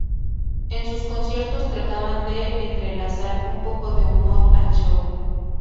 En sus conciertos trataban de entrelazar un poco de humor al show.